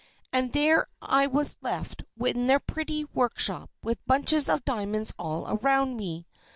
And there I was left in their pretty workshop, with bunches of diamonds all around me.